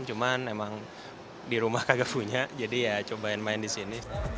cuman emang di rumah kagak punya jadi ya cobain main di sini